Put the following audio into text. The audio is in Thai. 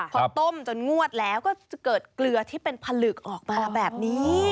พอต้มจนงวดแล้วก็จะเกิดเกลือที่เป็นผลึกออกมาแบบนี้